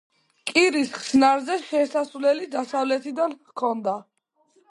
კირის ხსნარზე შესასვლელი დასავლეთიდან ჰქონდა.